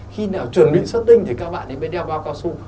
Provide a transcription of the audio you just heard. khi nào chuẩn bị xuất tinh thì các bạn mới đeo bao cao su